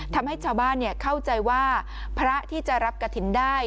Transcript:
ทำให้ชาวบ้านเข้าใจว่าพระที่จะรับกระถิ่นได้